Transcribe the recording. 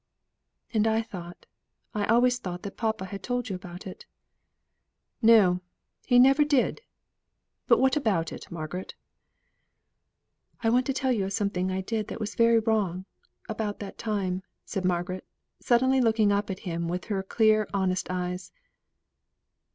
"And I thought I always thought that papa had told you about it." "No! he never did. But what about it, Margaret?" "I want to tell you of something I did that was very wrong, about that time," said Margaret, suddenly looking up at him with her clear honest eyes.